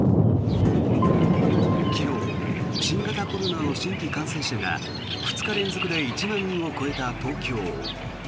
昨日新型コロナの新規感染者が２日連続で１万人を超えた東京。